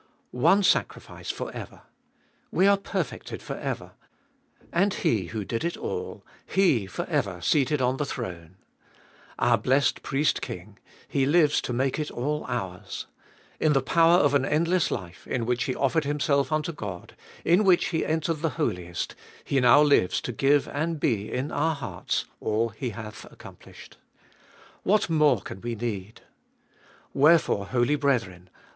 2. One sacrifice for ever. We perfected for ever. And HE who did it all, HE for ever seated on the throne. Our blessed Priest King, Hs Hues to matte it all ours. In the power of an endless life, in which He offered Himself unto God, in which He entered the Holiest, He now Hues to glue and be in our hearts all He hath accomplished. What more can we need ? Wherefore, holy brethren